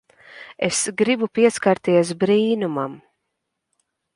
Es gribu pieskarties brīnumam.